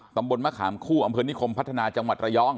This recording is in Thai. ตำบลมะขามคู่อำเภอนิคมพัฒนาจังหวัดระยอง